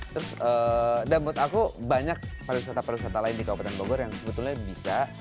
terus dan menurut aku banyak para wisata para wisata lain di kabupaten bogor yang sebetulnya bisa